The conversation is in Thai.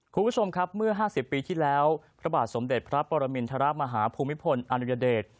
คุณผู้ชมครับเมื่อ๕๐ปีที่แล้วพระบาทสมเด็จพระปรมินทรมาฮาภูมิพลอดุญเดช